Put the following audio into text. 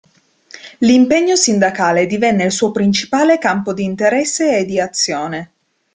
L'impegno sindacale divenne il suo principale campo di interesse e di azione.